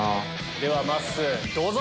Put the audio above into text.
ではまっすーどうぞ。